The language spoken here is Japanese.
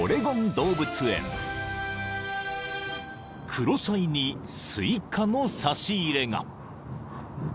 ［クロサイにスイカの差し入れが］